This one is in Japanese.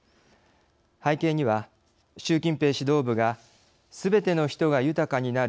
背景には、習近平指導部がすべての人が豊かになる＝